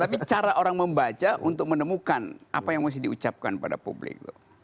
tapi cara orang membaca untuk menemukan apa yang mesti diucapkan pada publik